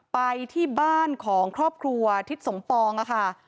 ไปที่บ้านของครอบครัวทิศสมปองค่ะ